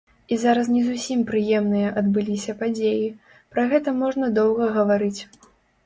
І зараз не зусім прыемныя адбыліся падзеі, пра гэта можна доўга гаварыць.